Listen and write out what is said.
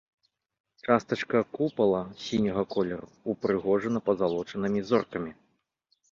Частачка купала сіняга колеру, упрыгожана пазалочанымі зоркамі.